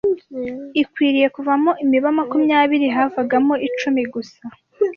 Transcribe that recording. ikwiriye kuvamo imiba makumyabiri havagamo icumi gusa